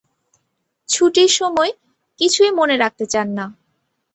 ছুটির সময় কিছুই মনে রাখতে চান না।